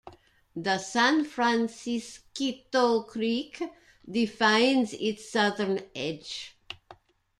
The San Francisquito Creek defines its southern edge.